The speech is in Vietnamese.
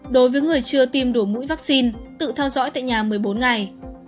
đối với người chưa tiêm đủ mũi vắc xin tự theo dõi tại nhà một mươi bốn ngày